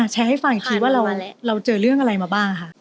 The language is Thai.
ให้ฟังอีกทีว่าเราเจอเรื่องอะไรมาบ้างค่ะ